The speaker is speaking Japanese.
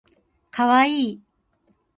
かわいい